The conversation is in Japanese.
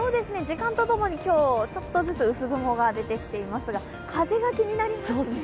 時間とともに今日ちょっとずつ薄雲が出てきていますが風が気になりますね。